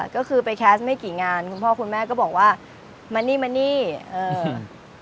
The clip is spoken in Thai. ก็คือไปแคสต์ไม่กี่งานคุณพ่อคุณแม่ก็บอกว่ามานี่มานี่เออ